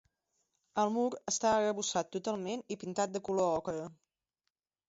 El mur està arrebossat totalment i pintat de color ocre.